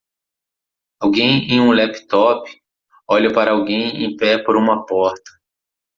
Alguém em um laptop olha para alguém em pé por uma porta